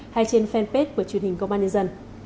hay trên fanpage của truyền hình công an nhân dân